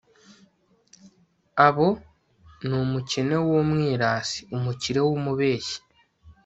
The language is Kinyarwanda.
abo ni umukene w'umwirasi, umukire w'umubeshyi